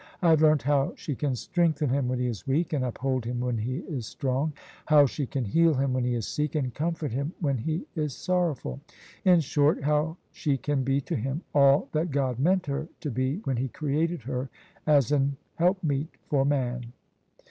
I have learnt how she can strengthen him when he is weak, and uphold him when he is strong: how she can heal him when he is sick, and comfort him when he is sorrowful. In short, how she can be to him all that God meant her to be when He created her as an helpmeet for man."